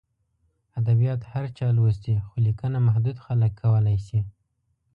ادبیات هر چا لوستي، خو لیکنه محدود خلک کولای شي.